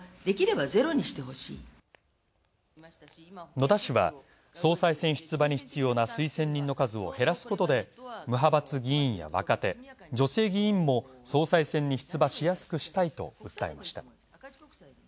野田氏は総裁選出馬に必要な推薦人の数を減らすことで無派閥議員や若手、女性議員も総裁選に出馬しやすくしたいと訴えました。